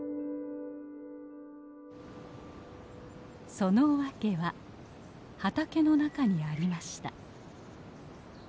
その訳は畑の中にありました。